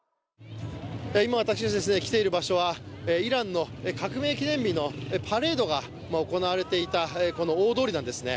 今、私が来ている場所はイランの革命記念日のパレードが行われていた大通りなんですね。